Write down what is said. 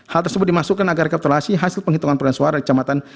hal tersebut dimaksudkan agar rekapitulasi hasil penghitungan peran suara di kecamatan